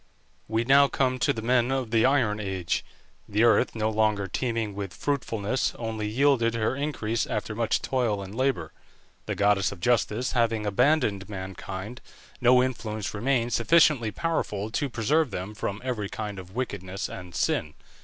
We now come to the men of the Iron Age. The earth, no longer teeming with fruitfulness, only yielded her increase after much toil and labour. The goddess of Justice having abandoned mankind, no influence remained sufficiently powerful to preserve them from every kind of wickedness and sin.